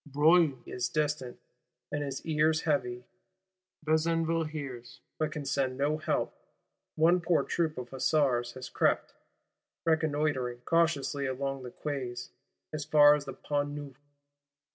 Broglie is distant, and his ears heavy: Besenval hears, but can send no help. One poor troop of Hussars has crept, reconnoitring, cautiously along the Quais, as far as the Pont Neuf.